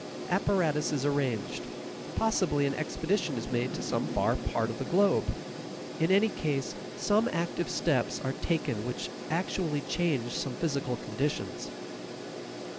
Apparatus is arranged; possibly an expedition is made to some far part of the globe. In any case, some active steps are taken which actually change some physical conditions.